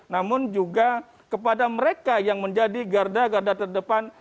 namun juga kepada mereka yang menjadi garda garda terdepan